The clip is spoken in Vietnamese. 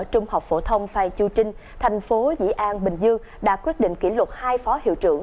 trung học phổ thông phan chu trinh thành phố dĩ an bình dương đã quyết định kỷ luật hai phó hiệu trưởng